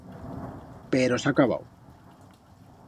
Pero s'ha acabau.